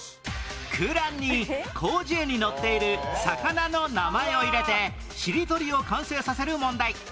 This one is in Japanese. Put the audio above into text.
空欄に『広辞苑』に載っている魚の名前を入れてしりとりを完成させる問題